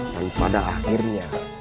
dan pada akhirnya